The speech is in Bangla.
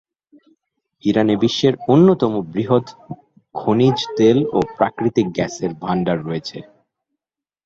ইরানে বিশ্বের অন্যতম বৃহৎ খনিজ তেল ও প্রাকৃতিক গ্যাসের ভাণ্ডার আছে।